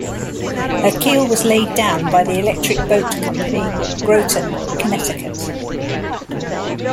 Her keel was laid down by the Electric Boat Company, Groton, Connecticut.